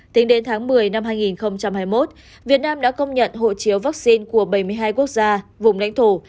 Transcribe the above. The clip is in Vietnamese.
tính đến tháng một mươi năm hai nghìn hai mươi một việt nam đã công nhận hộ chiếu vaccine của bảy mươi hai quốc gia vùng lãnh thổ